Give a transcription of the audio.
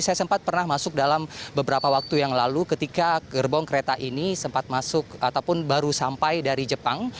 saya sempat pernah masuk dalam beberapa waktu yang lalu ketika gerbong kereta ini sempat masuk ataupun baru sampai dari jepang